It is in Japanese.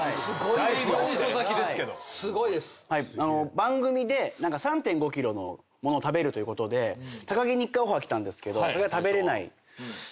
番組で３．５ｋｇの物を食べるということで高木に１回オファー来たんですけど高木食べれない。